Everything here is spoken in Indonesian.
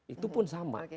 itu pun sama